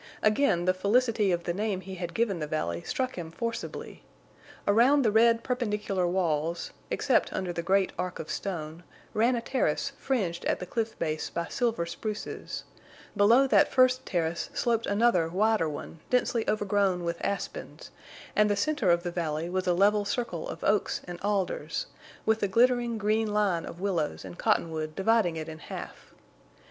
Again the felicity of the name he had given the valley struck him forcibly. Around the red perpendicular walls, except under the great arc of stone, ran a terrace fringed at the cliff base by silver spruces; below that first terrace sloped another wider one densely overgrown with aspens, and the center of the valley was a level circle of oaks and alders, with the glittering green line of willows and cottonwood dividing it in half.